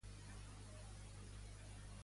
Per què Blade, el protagonista, està en problemes?